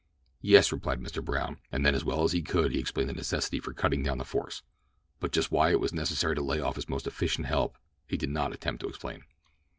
"Yes," replied Mr. Brown; and then as well as he could he explained the necessity for cutting down the force: but just why it was necessary to lay off his most efficient help he did not attempt to explain.